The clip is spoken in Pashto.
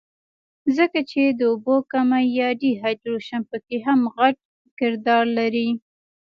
ځکه چې د اوبو کمے يا ډي هائيډرېشن پکښې هم غټ کردار لري